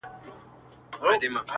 • ځيني يې لوړ هنر بولي تل,